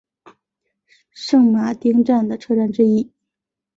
圣马丁站的车站之一。